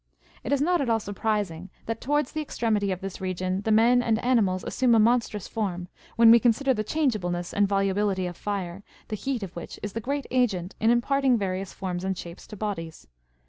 It is not at all surprising that towards the extremity of this region the men and animals assume a monstrous form, when we consider the change ablehess and volubility of fire, the heat of which is the great agent in imparting various forms and shapes to bodies.